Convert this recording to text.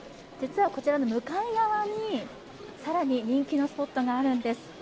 実はこちらの向かい側に更に人気のスポットがあるんです。